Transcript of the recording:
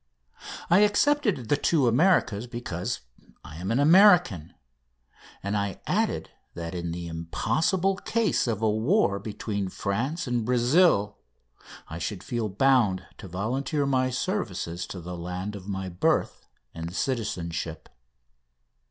I excepted the two Americas because I am an American, and I added that in the impossible case of a war between France and Brazil I should feel bound to volunteer my services to the land of my birth and citizenship.